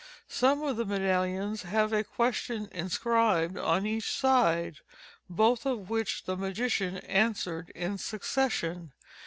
Some of the medallions have a question inscribed on each side, both of which the magician answered in succession.